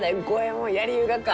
のうやりゆうがか。